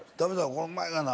これうまいがな。